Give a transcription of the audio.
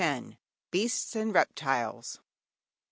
BEASTS AND REPTILES.